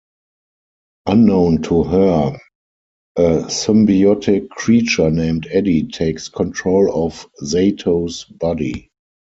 Unknown to her, a symbiotic creature named Eddie takes control of Zato's body.